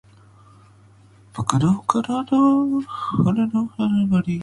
喋らせてください